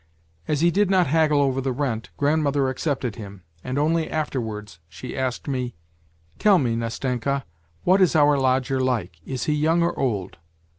As he did not haggle over the rent, grandmother accepted him, and only afterwards she asked me :' Tell me, Nastenka, what is our lodger like is he young or old